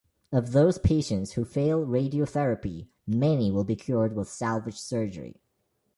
Of those patients who fail radiotherapy, many will be cured with salvage surgery.